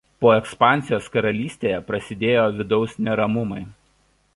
Po ekspansijos karalystėje prasidėjo vidaus neramumai.